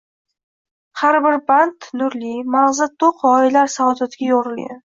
Har bir band nurli, magʻzi toʻq gʻoyalar saodatiga yoʻgʻrilgan.